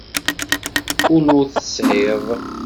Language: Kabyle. Ul ur t-tesεiḍ.